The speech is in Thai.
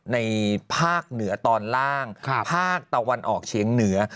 ในภาคเหนือตอนล่างภาคตะวันออกเฉียงเหนือ